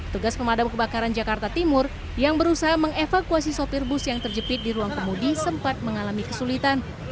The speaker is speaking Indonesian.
tugas pemadam kebakaran jakarta timur yang berusaha mengevakuasi sopir bus yang terjepit di ruang kemudi sempat mengalami kesulitan